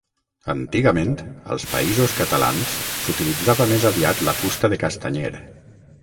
Antigament als Països Catalans s'utilitzava més aviat la fusta de castanyer.